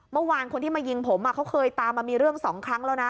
เมื่อวานคนที่มายิงผมเขาเคยตามมามีเรื่องสองครั้งแล้วนะ